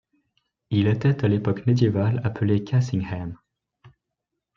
Il était à l'époque médiévale appelée Cassingham.